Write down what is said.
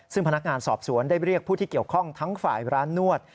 ซึ่งพนักงานสอบสวนได้เรียกผู้ที่เกี่ยวข้องทั้งฝ่ายร้านนวด